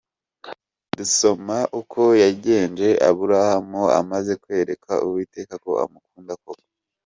Dusoma uko yagenje Aburahamu amaze kwereka Uwiteka ko amukunda koko.